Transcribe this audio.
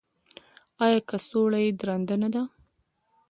ایا کڅوړه یې درنده نه ده؟